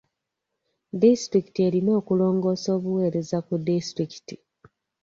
Disitulikiti erina okulongoosa obuweereza ku disitulikiti.